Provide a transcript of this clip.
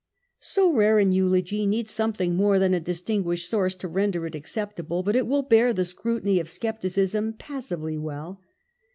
So rare an eulogy needs some thing more than a distinguished source to render it acceptable, but it will bear the scrutiny of scepticism passably well.